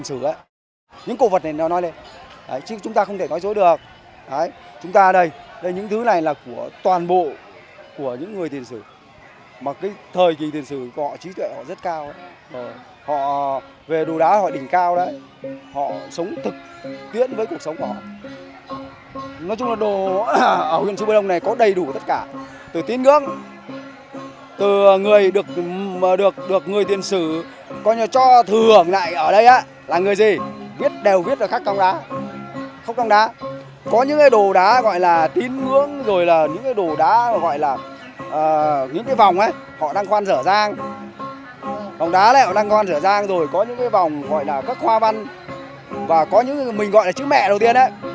sống ở đô thị sống ở đô thị sống ở đô thị sống ở đô thị sống ở đô thị sống ở đô thị sống ở đô thị sống ở đô thị sống ở đô thị sống ở đô thị sống ở đô thị sống ở đô thị sống ở đô thị sống ở đô thị sống ở đô thị sống ở đô thị sống ở đô thị sống ở đô thị sống ở đô thị sống ở đô thị sống ở đô thị sống ở đô thị sống ở đô thị sống ở đô thị sống ở đô thị sống ở đô thị sống ở đô thị sống ở đô